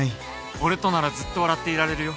俺とならずっと笑っていられるよ。